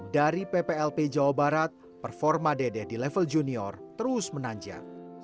dari pplp jawa barat performa dedeh di level junior terus menanjak